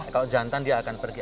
kalau jantan dia akan pergi